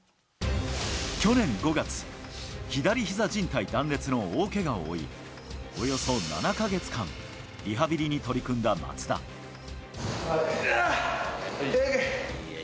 去年５月、左ひざじん帯断裂の大けがを負い、およそ７か月間、リハビリに取りうわぁ、えぐい。